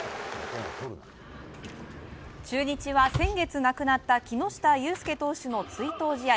中日は先月亡くなった木下雄介投手の追悼試合。